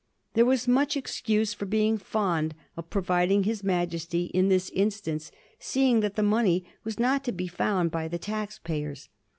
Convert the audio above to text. There was much excuse for being fond of providing his Majesty in this instance, seeing that the money was not to be found by the tax payers.